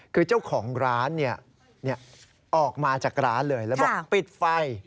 คือเจ้าของร้านออกมาจากร้านเลยแล้วบอกปิดไฟ